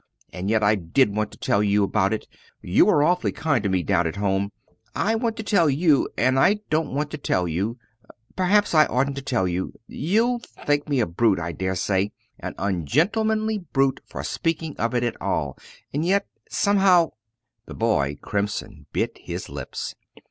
And yet I did want to tell you about it you were awfully kind to me down at home. I want to tell you and I don't want to tell you perhaps I oughtn't to tell you you'll think me a brute, I dare say, an ungentlemanly brute for speaking of it at all and yet somehow " The boy, crimson, bit his lips.